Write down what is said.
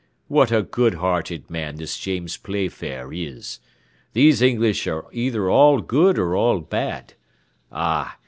What a good hearted man this James Playfair is! These English are either all good or all bad. Ah!